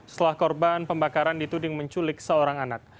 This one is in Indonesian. setelah korban pembakaran dituding menculik seorang anak